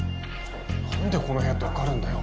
何でこの部屋って分かるんだよ？